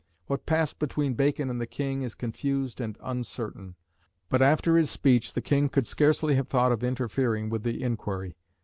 What passed between Bacon and the King is confused and uncertain; but after his speech the King could scarcely have thought of interfering with the inquiry.